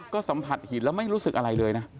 ก็สัมผัสหินแล้วไม่รู้สึกอะไรเลยนะ